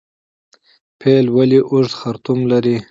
پیل ولې اوږد خرطوم لري؟